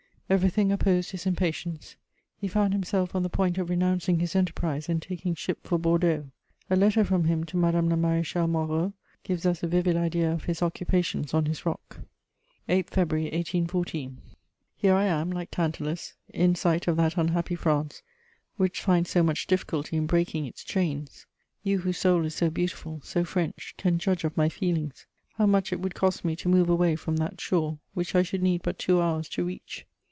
Everything opposed his impatience; he found himself on the point of renouncing his enterprise and taking ship for Bordeaux. A letter from him to Madame la Maréchale Moreau gives us a vivid idea of his occupations on his rock: "'8 February 1814. "'Here I am like Tantalus, in sight of that unhappy France which finds so much difficulty in breaking its chains. You whose soul is so beautiful, so French, can judge of my feelings; how much it would cost me to move away from that shore which I should need but two hours to reach!